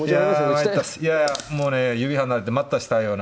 いややっぱいやもうね指離れて「待った」したいような。